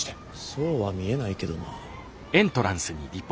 そうは見えないけどな。